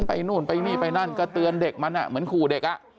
นู่นไปนี่ไปนั่นก็เตือนเด็กมันเหมือนขู่เด็ก